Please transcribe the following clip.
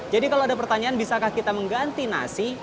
jadi kalau ada pertanyaan bisakah kita mengganti nasi